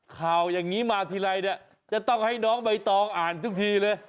ข่าวอย่างนี้มาทีไรเนี่ยจะต้องให้น้องใบตองอ่านทุกทีเลย